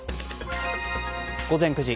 午前９時。